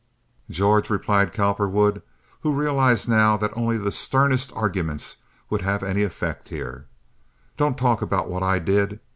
"George," replied Cowperwood, who realized now that only the sternest arguments would have any effect here, "don't talk about what I did.